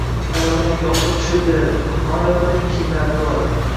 Ayolim menga ovqat pishirib beradi, non yopadi, kiyimlarimni yuvadi.